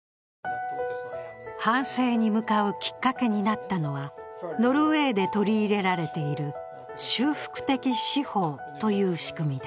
反省に向かうきっかけになったのは、ノルウェーで取り入れられている修復的司法という仕組みだ。